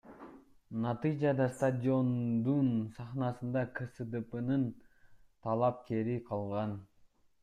Натыйжада стадиондун сахнасында КСДПнын талапкери калган.